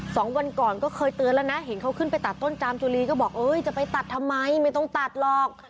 สองวันก่อนก็เคยเตือนแล้วนะเห็นเขาขึ้นไปตัดต้นจามจุลีก็บอกเอ้ยจะไปตัดทำไมไม่ต้องตัดหรอก